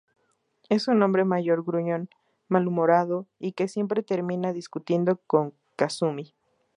Es un hombre mayor gruñón, malhumorado y que siempre termina discutiendo con Kasumi.